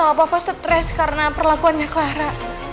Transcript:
ngeliat lama sama papa stress karena perlakuannya clara